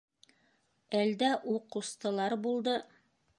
Әлдә у ҡустылар булды!